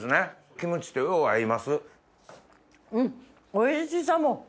キムチとよう合います。